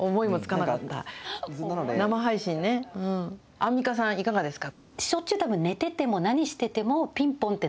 アンミカさん、いかがですか。